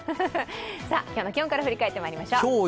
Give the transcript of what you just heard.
今日の気温から振り返っていきましょう。